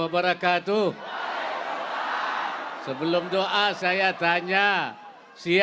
ya allah ya tuhan kami